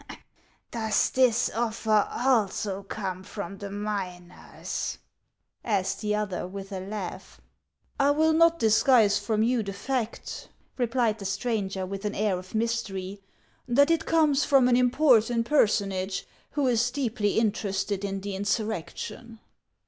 " Does this offer also come from the miners ?" asked the other, with a laugh. '• I will not disguise from you the fact," replied the stranger, with an air of mystery, "that it comes from an important personage who is deeply interested in the insurrection."